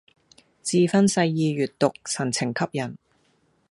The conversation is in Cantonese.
志勳細意閱讀，神情吸引